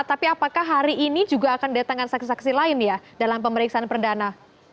tapi apakah hari ini juga akan datangkan saksi saksi lain ya dalam pemeriksaan perdana